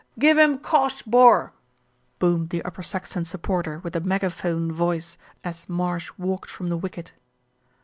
"Give him cosh, bor," boomed the Upper Saxton supporter with the megaphone voice, as Marsh walked from the wicket.